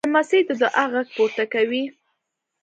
لمسی د دعا غږ پورته کوي.